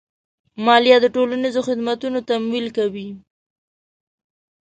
مالیه د ټولنیزو خدماتو تمویل کوي.